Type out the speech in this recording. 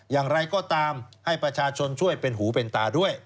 อย่างไรก็ตามให้ประชาชนช่วยเป็นหูเป็นตาด้วย